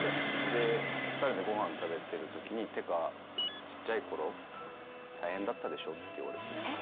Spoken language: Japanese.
で２人でご飯食べてる時に「っていうかちっちゃい頃大変だったでしょ？」って言われて。